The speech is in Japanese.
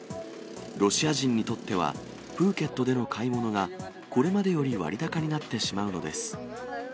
ロシア人にとっては、プーケットでの買い物が、これまでより割高になってしまうのです。